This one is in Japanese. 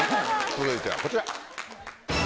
続いてはこちら！